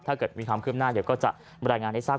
ถ้าเกิดมีความคืบหน้าเดี๋ยวก็จะบรรยายงานให้ทราบ